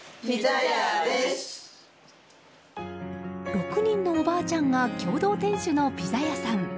６人のおばあちゃんが共同店主のピザ屋さん。